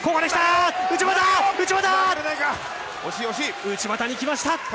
内股にきました！